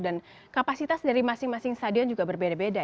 dan kapasitas dari masing masing stadion juga berbeda beda